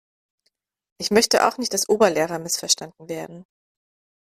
Ich möchte auch nicht als Oberlehrer missverstanden werden.